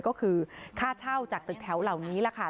ก็คือค่าเช่าจากตึกแถวเหล่านี้แหละค่ะ